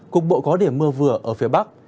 cục bộ có điểm mưa vừa ở phía bắc